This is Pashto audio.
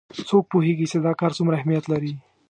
څوک پوهیږي چې دا کار څومره اهمیت لري